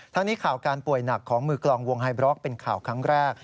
นี้ข่าวการป่วยหนักของมือกลองวงไฮบล็อกเป็นข่าวครั้งแรก